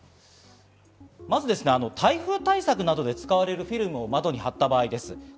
まず台風対策などで使われるフィルムを窓に貼った場合です。